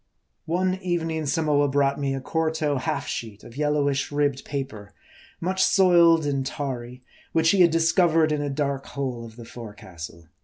One evening Samoa brought me a quarto half sheet of yellowish, ribbed paper, much soiled and tarry, which he had discovered in a dark hole of the forecastle.